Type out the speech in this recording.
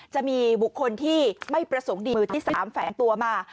จะมีบุคคลที่ไม่ประสงค์ดีมือที่๓แฝงตัวมา